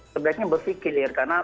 sebaiknya bersikilir karena